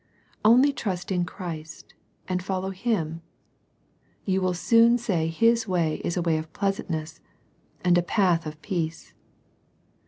Only trust in Christ, and follow Him, you will soon say His way is a way of pleasantness, and a path of peace.